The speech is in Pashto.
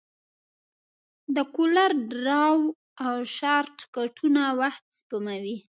د کولر ډراو شارټکټونه وخت سپموي.